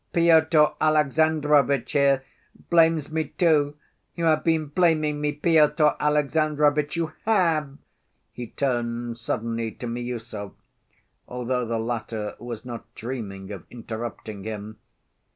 "Pyotr Alexandrovitch here blames me too. You have been blaming me, Pyotr Alexandrovitch, you have!" he turned suddenly to Miüsov, although the latter was not dreaming of interrupting him.